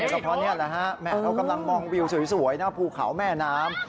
เพราะนี่แหละครับแม่เขากำลังมองวิวสวยหน้าภูเขาแม่น้ำ